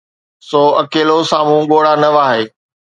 سو اڪيلو، سامهون ڳوڙها نه وهائي.